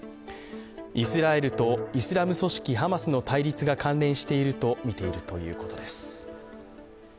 イスラエルとイスラム組織ハマスの対立が関連しているとみているということです。